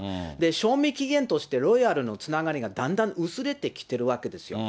賞味期限として、ロイヤルのつながりがだんだん薄れてきてるわけですよ。